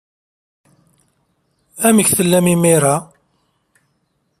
Amek tellam imir-a?